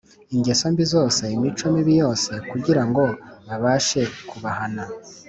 ingeso mbi zose, imico mibi yose kugira ngo babashe kubahana ,